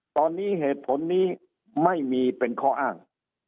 ตอนนี้เหตุผลนี้ไม่มีเป็นข้ออ้าง